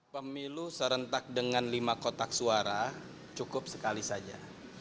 pemilu serentak dengan lima kotak suara cukup sekali saja